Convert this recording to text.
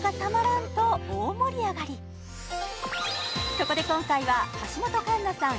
そこで今回は橋本環奈さん